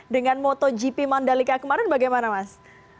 dengan motogp mandalika kemarin bagaimana mas